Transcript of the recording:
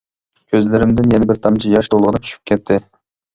كۆزلىرىمدىن يەنە بىر تامچە ياش تولغىنىپ چۈشۈپ كەتتى.